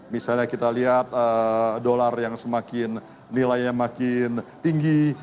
misalnya kita lihat dolar yang semakin nilainya makin tinggi